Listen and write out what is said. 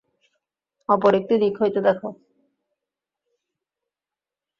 অপর একটি দিক হইতে দেখ।